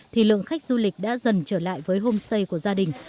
thì lượng khách du lịch đã dần trở lại với homestay của gia đình